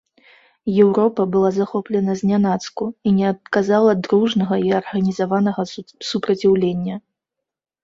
Еўропа была захоплена знянацку і не аказала дружнага і арганізаванага супраціўлення.